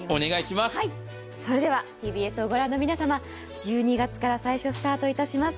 それではＴＢＳを御覧の皆様、１２月から最初スタートいたします。